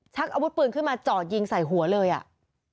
อาวุธปืนขึ้นมาจ่อยิงใส่หัวเลยอ่ะ